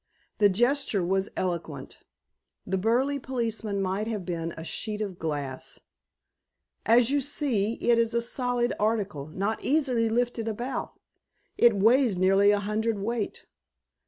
The gesture was eloquent. The burly policeman might have been a sheet of glass. "As you see, it is a solid article, not easily lifted about. It weighs nearly a hundred weight."